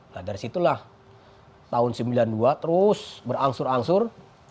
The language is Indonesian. nah dari situlah tahun sembilan puluh dua terus berangsur angsur